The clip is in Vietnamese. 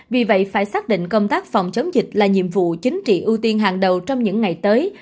vì vậy phải xác định công tác phòng chống dịch là nhiệm vụ chính trị ưu tiên hàng đầu trong những ngày tới